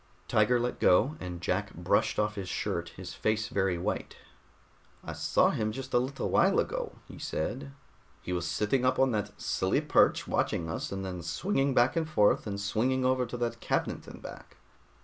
Tiger let go, and Jack brushed off his shirt, his face very white. "I saw him just a little while ago," he said. "He was sitting up on that silly perch watching us, and then swinging back and forth and swinging over to that cabinet and back."